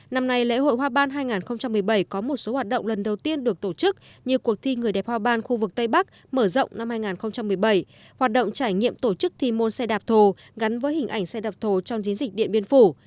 năm nay lễ hội hoa ban hai nghìn một mươi bảy có một số hoạt động lần đầu tiên được tổ chức như cuộc thi người đẹp hoa ban khu vực tây bắc mở rộng năm hai nghìn một mươi bảy hoạt động trải nghiệm tổ chức thi môn xe đạp thồ gắn với hình ảnh xe đạp thổ trong chiến dịch điện biên phủ